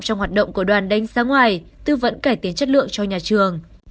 trong hoạt động của đoàn đánh giá ngoài tư vấn cải tiến chất lượng cho nhà trường